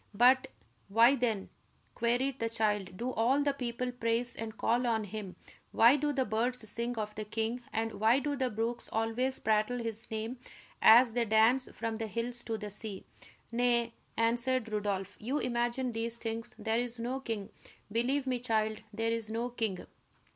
"But why, then," queried the child, "do all the people praise and call on him; why do the birds sing of the king; and why do the brooks always prattle his name, as they dance from the hills to the sea?" "Nay," answered Rodolph, "you imagine these things; there is no king. Believe me, child, there is no king."